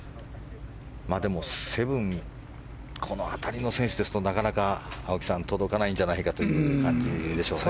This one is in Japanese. でも、７この辺りの選手ですとなかなか青木さん届かないんじゃないかという感じですかね。